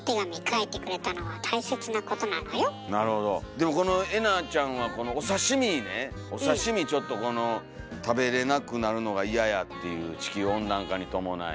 でもこのえなちゃんはこのお刺身ねお刺身ちょっとこの食べれなくなるのが嫌やっていう地球温暖化に伴い。